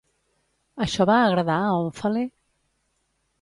Això va agradar a Òmfale?